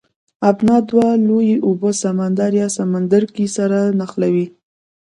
ابنا دوه لویې اوبه سمندر یا سمندرګی سره نښلوي.